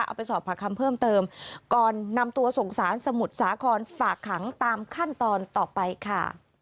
เอาไปสอบปากคำเพิ่มเติมก่อนนำตัวส่งสารสมุทรสาครฝากขังตามขั้นตอนต่อไปค่ะ